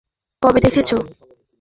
তুমি ছায়াটা কবে দেখেছ?